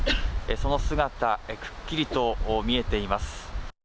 その姿をくっきりと見えています